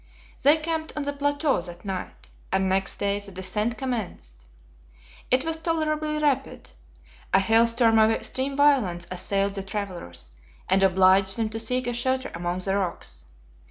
They camped on the plateau that night, and next day the descent commenced. It was tolerably rapid. A hailstorm of extreme violence assailed the travelers, and obliged them to seek a shelter among the rocks.